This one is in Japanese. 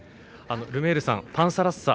ルメールさん、パンサラッサ